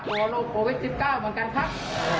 กลัวโลกโครวิทย์สิบเก้าเหมือนกันครับ